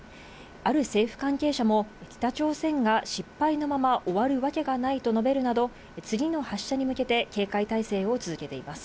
ある政府関係者も、北朝鮮が失敗のまま終わるわけがないと述べるなど、次の発射に向けて警戒態勢を続けています。